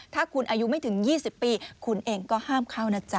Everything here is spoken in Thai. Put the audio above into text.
ถ้าคุณอายุไม่ถึง๒๐ปีคุณเองก็ห้ามเข้านะจ๊